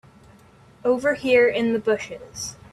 Over here in the bushes.